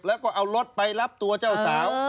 แล้วก็เอารถไปรับตัวเจ้าสาว